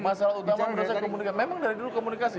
masalah utama adalah komunikasi memang dari dulu komunikasi